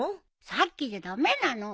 さっきじゃ駄目なの。